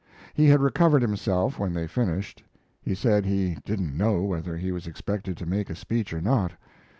He had recovered himself when they finished. He said he didn't know whether he was expected to make a speech or not.